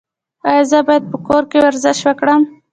ایا زه باید په کور کې ورزش وکړم؟